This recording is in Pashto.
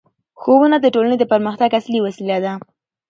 ښوونه د ټولنې د پرمختګ اصلي وسیله ده